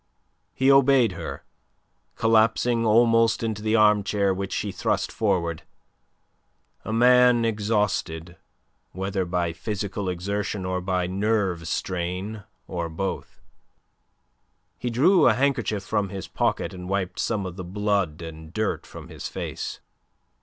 He obeyed her, collapsing almost into the armchair which she thrust forward, a man exhausted, whether by physical exertion or by nerve strain, or both. He drew a handkerchief from his pocket and wiped some of the blood and dirt from his face.